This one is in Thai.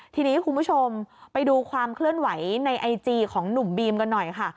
ทีนี้คุณผู้ชมไปดูความเคลื่อนไหวในไอจีของหนุ่มบีมกันหน่อยค่ะ